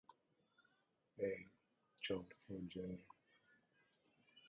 However, drug design is not always aided by atropisomerism.